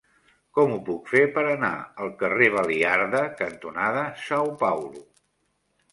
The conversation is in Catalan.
Com ho puc fer per anar al carrer Baliarda cantonada São Paulo?